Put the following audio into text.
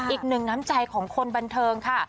อีกหนึ่งน้ำใจของคนบันเทิงค่ะ